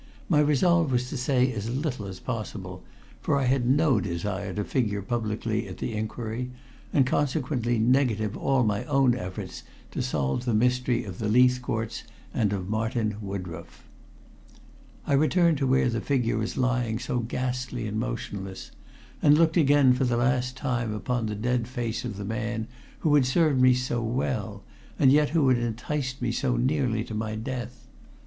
My resolve was to say as little as possible, for I had no desire to figure publicly at the inquiry, and consequently negative all my own efforts to solve the mystery of the Leithcourts and of Martin Woodroffe. I returned to where the figure was lying so ghastly and motionless, and looked again for the last time upon the dead face of the man who had served me so well, and yet who had enticed me so nearly to my death.